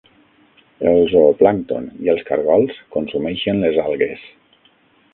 El zooplàncton i els cargols consumeixen les algues.